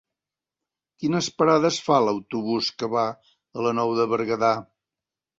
Quines parades fa l'autobús que va a la Nou de Berguedà?